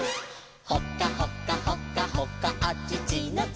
「ほかほかほかほかあちちのチー」